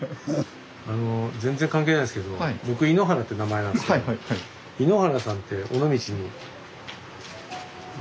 あの全然関係ないですけど僕井ノ原って名前なんですけど井ノ原さん。